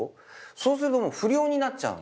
そうすると不良になっちゃうの。